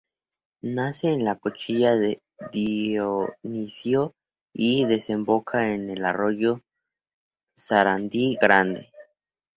Nace en la cuchilla de Dionisio y desemboca en el Arroyo Sarandí Grande.